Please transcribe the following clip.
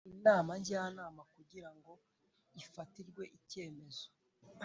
Inama njyanama kugira ngo ifatirwe icyemezo